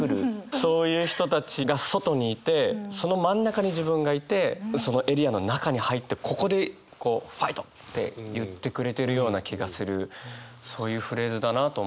そういう人たちが外にいてその真ん中に自分がいてそのエリアの中に入ってここでこう「ファイト！」って言ってくれてるような気がするそういうフレーズだなと思って。